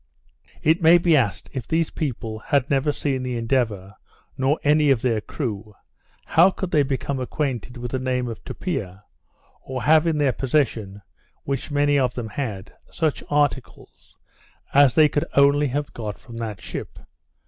It may be asked, if these people had never seen the Endeavour, nor any of her crew, how could they become acquainted with the name of Tupia, or have in their possession (which many of them had) such articles, as they could only have got from that ship?